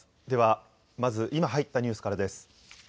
では、まず今入ったニュースからです。